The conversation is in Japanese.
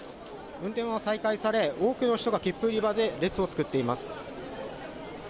運転は再開され、多くの人が切符売り場で列を作っています。